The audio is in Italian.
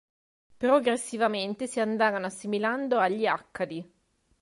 Progressivamente si andarono assimilando agli Accadi.